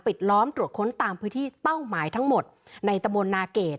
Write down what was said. ล้อมตรวจค้นตามพื้นที่เป้าหมายทั้งหมดในตะมนต์นาเกรด